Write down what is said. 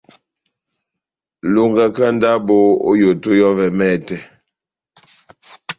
Longaka ndabo ό yoto yɔ́vɛ mɛtɛ.